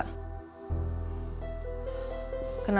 kamu tahu nomornya